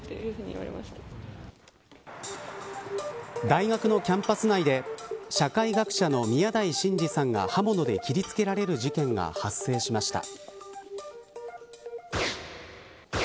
大学のキャンパス内で社会学者の宮台真司さんが刃物で切りつけられる事件が発生しました。